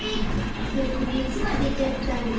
ボクねつがでちゃったんだ。